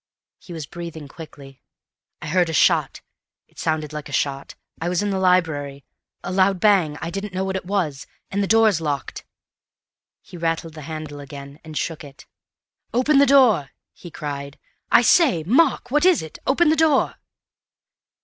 He was breathing quickly. "I heard a shot—it sounded like a shot—I was in the library. A loud bang—I didn't know what it was. And the door's locked." He rattled the handle again, and shook it. "Open the door!" he cried. "I say, Mark, what is it? Open the door!"